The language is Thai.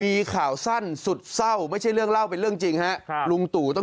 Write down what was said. มีข่าวสั้นสุดเศร้าไม่ใช่เรื่องเล่าเป็นเรื่องจริงฮะครับลุงตู่ต้อง